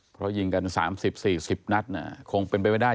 เพราะยิงกัน๓๐๔๐นัดคงเป็นไปไม่ได้